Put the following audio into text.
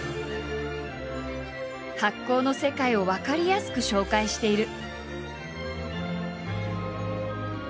発酵の世界を分かりやすく紹介している。